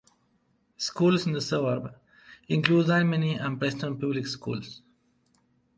Schools in the suburb include Dalmeny and Prestons Public School.